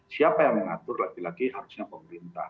siapa yang mengatur lagi lagi harusnya pemerintah